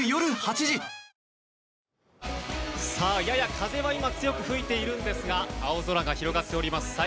やや風は今強く吹いているんですが青空が広がっております